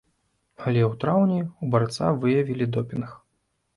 Але ў траўні ў барца выявілі допінг.